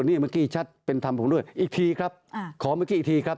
นี่เมื่อกี้ชัดเป็นธรรมผมด้วยอีกทีครับขอเมื่อกี้อีกทีครับ